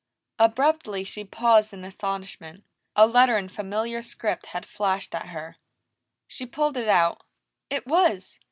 Abruptly she paused in astonishment a letter in familiar script had flashed at her. She pulled it out; it was!